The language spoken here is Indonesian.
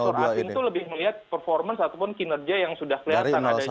pasar lebih melihat performance ataupun kinerja yang sudah kelihatan adanya